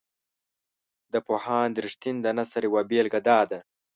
د پوهاند رښتین د نثر یوه بیلګه داده.